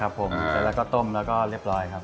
ครับผมแล้วก็ต้มแล้วก็เรียบร้อยครับ